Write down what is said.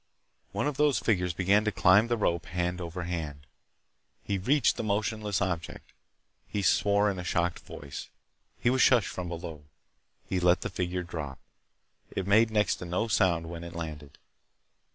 One of those figures began to climb the rope hand over hand. He reached the motionless object. He swore in a shocked voice. He was shushed from below. He let the figure drop. It made next to no sound when it landed.